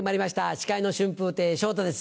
司会の春風亭昇太です